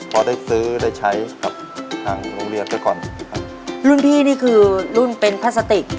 พอได้ซื้อได้ใช้กับทางโรงเรียนไปก่อนครับรุ่นพี่นี่คือรุ่นเป็นพลาสติก